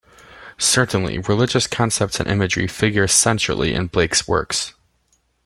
Certainly, religious concepts and imagery figure centrally in Blake's works.